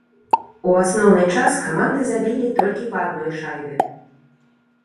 У асноўны час каманды забілі толькі па адной шайбе.